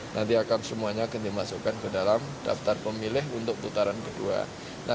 nanti akan semuanya akan dimasukkan ke dalam daftar pemilih untuk putaran kedua